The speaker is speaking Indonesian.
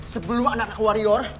sebelum anak anak warrior